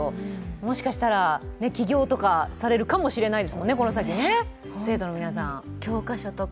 もしかしたら起業とかされるかもしれないですもんね、生徒の皆さん。